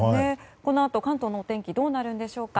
このあと、関東のお天気どうなるんでしょうか。